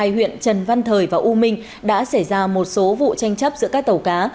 hai huyện trần văn thời và u minh đã xảy ra một số vụ tranh chấp giữa các tàu cá